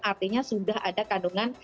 artinya sudah ada kandungan